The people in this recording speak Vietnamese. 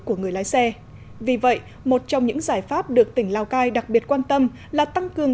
của người lái xe vì vậy một trong những giải pháp được tỉnh lào cai đặc biệt quan tâm là tăng cường